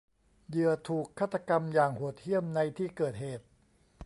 เหยื่อถูกฆาตกรรมอย่างโหดเหี้ยมในที่เกิดเหตุ